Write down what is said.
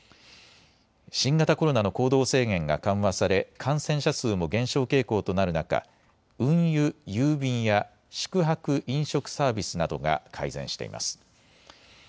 新型コロナの行動制限が緩和され感染者数も減少傾向となる中、運輸・郵便や宿泊・飲食サービスなどが改善しています。